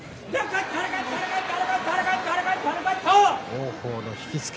王鵬の引き付け